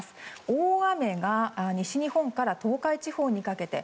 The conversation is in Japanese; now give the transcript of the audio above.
大雨が西日本から東海地方にかけて。